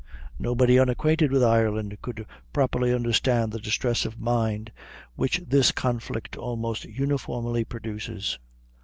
Nobody unacquainted with Ireland could properly understand the distress of mind which this conflict almost uniformly produces.